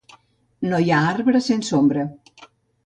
No hi ha arbre sense ombra.